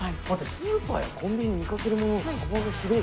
スーパーやコンビニで見かけるものって幅が広い。